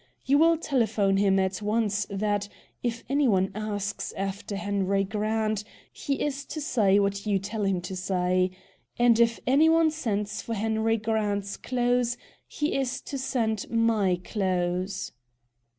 You will telephone him at once that, if any one asks after Henry Grant, he is to say what you tell him to say. And if any one sends for Henry Grant's clothes, he is to send MY clothes."